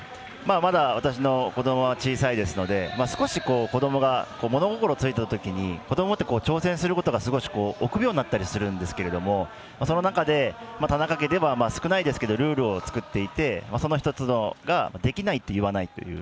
まだ私の子どもは小さいですので子どもが物心ついたときに子どもって挑戦することに臆病になったりするんですけどその中で田中家では少ないですけどルールを作っていてその１つが、できないと言わない。